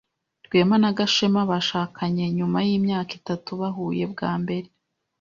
Rwema na Gashema bashakanye nyuma yimyaka itatu bahuye bwa mbere.